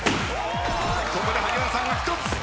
ここで萩原さんが１つ。